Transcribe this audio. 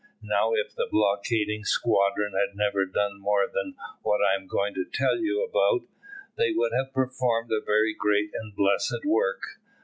Now, if the blockading squadron had never done more than what I am going to tell you about, they would have performed a very great and blessed work.